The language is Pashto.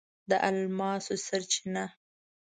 د الماسو چینه